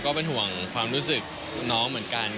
ก็เป็นห่วงความรู้สึกน้องเหมือนกัน